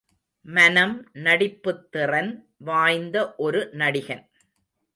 மனம் நடிப்புத் திறன் வாய்ந்த ஒரு நடிகன்.